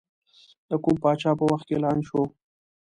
د کوم پاچا په وخت کې اعلان شوه.